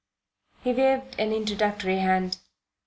He waved an introductory hand.